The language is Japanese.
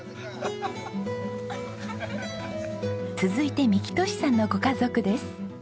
続いて幹寿さんのご家族です。